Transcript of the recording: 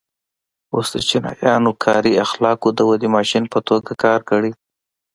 اوس د چینایانو کاري اخلاقو د ودې ماشین په توګه کار کړی.